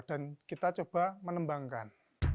dan kita coba menembangkan